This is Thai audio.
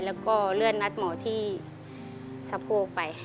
แล้วก็เลื่อนนัดหมอที่สะโพกไป